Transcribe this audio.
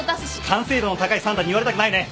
完成度の高いサンタに言われたくないね。